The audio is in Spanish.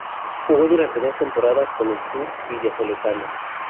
Jugó durante dos temporadas con el club vallisoletano.